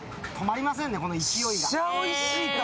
めっちゃおいしいから。